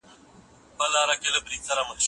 که استاد څېړونکی نه وي نو لارښوونه نسي کېدای.